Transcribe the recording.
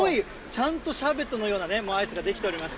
ちゃんとシャーベットのようなアイスが出来ております。